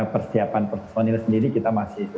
persiapan personil sendiri kita masih